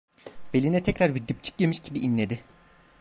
Beline tekrar bir dipçik yemiş gibi inledi.